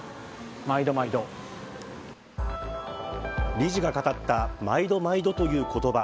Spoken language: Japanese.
理事が語った毎度毎度という言葉。